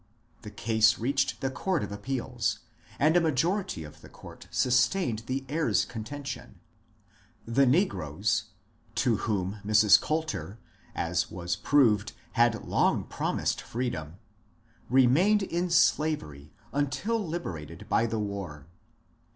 The case reached the Court of Appeals, and a majority of the court sustained the heir's contention ; the negroes — to whom Mrs. Coalter, as was proved had long promised freedom — remained in slavery until liberated by the war.